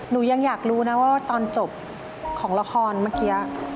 หนูยังอยากรู้นะว่าตอนจบของละครเมื่อกี้